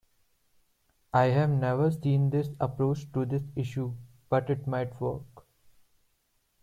I have never seen this approach to this issue, but it might work.